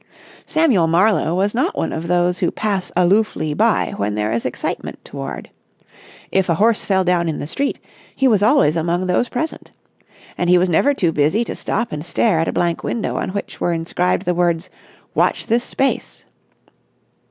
Samuel Marlowe was not one of those who pass aloofly by when there is excitement toward. If a horse fell down in the street, he was always among those present: and he was never too busy to stop and stare at a blank window on which were inscribed the words, "Watch this space!"